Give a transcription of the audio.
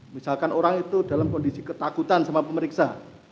misalkan orang itu dalam kondisi ketakutan sama pemeriksa